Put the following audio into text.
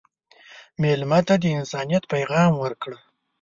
مېلمه ته د انسانیت پیغام ورکړه.